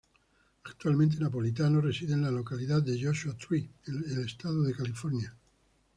Actualmente, Napolitano reside en la localidad de Joshua Tree, en el estado de California.